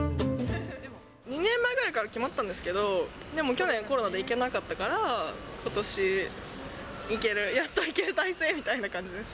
２年前ぐらいから決まってたんですけど、でも去年、コロナで行けなかったから、ことし行ける、やっと行ける体制みたいな感じです。